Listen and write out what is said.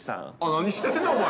何してんねんお前。